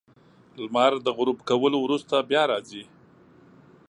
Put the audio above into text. • لمر د غروب کولو وروسته بیا راځي.